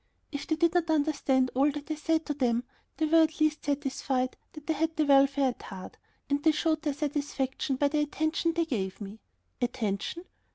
If they did not understand all that I said to them, they were at least satisfied that I had their welfare at heart, and they showed their satisfaction by the attention they gave me. Attention?